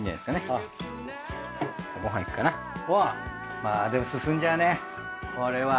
まぁでも進んじゃうねこれは。